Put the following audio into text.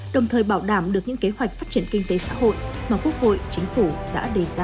đồng thời bảo đảm được những kế hoạch phát triển kinh tế xã hội mà quốc hội chính phủ đã đề ra